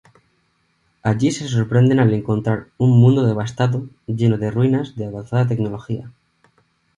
Allí se sorprenden al encontrar un mundo devastado lleno de ruinas de avanzada tecnología.